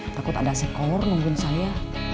takut ada seekor nunggun saya